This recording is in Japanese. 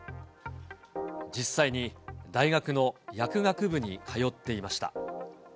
実際に大学の薬学部に通っていました。